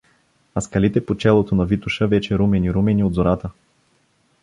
А скалите по челото на Витоша вече румени, румени от зората!